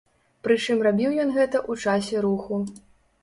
Прычым рабіў ён гэта у часе руху.